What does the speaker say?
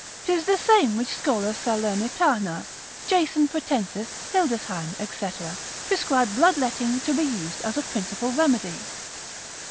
'Tis the same which Schola Salernitana, Jason Pratensis, Hildesheim, &c., prescribe bloodletting to be used as a principal remedy.